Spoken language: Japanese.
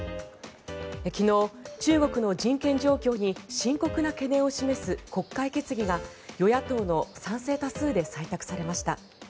昨日、中国の人権状況に深刻な懸念を示す国会決議が与野党の賛成多数で採択されました。